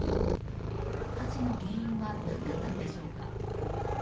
火事の原因は何だったのでしょうか。